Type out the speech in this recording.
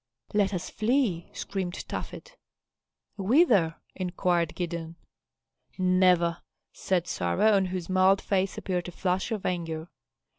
"Let us flee!" screamed Tafet. "Whither?" inquired Gideon. "Never!" said Sarah, on whose mild face appeared a flush of anger.